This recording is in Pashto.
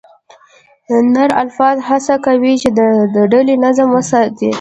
نر الفا هڅه کوي، چې د ډلې نظم وساتي.